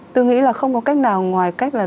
tôi nghĩ là không có cách nào ngoài cách là